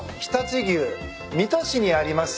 水戸市にあります